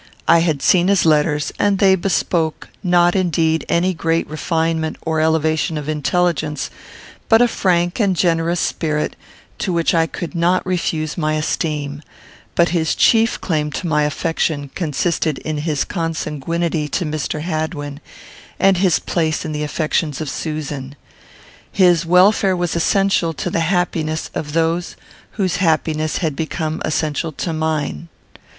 I had seen his letters, and they bespoke, not indeed any great refinement or elevation of intelligence, but a frank and generous spirit, to which I could not refuse my esteem; but his chief claim to my affection consisted in his consanguinity to Mr. Hadwin, and his place in the affections of Susan. His welfare was essential to the happiness of those whose happiness had become essential to mine.